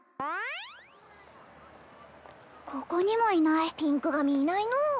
ここにもいないピンク髪いないのう